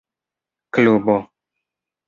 klubo